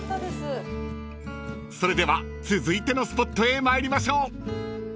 ［それでは続いてのスポットへ参りましょう］